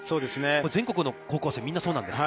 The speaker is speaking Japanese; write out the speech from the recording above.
全国の高校生みんなそうなんですが。